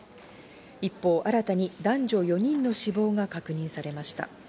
一方、新たに男女４人の死亡が確認されました。